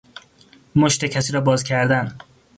مشت کسی را باز کردن